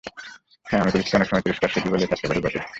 হ্যাঁ, আমি পুলিশকে অনেক সময় তিরস্কার শিল্পী বলেও ঠাট্টা করে থাকি বটে।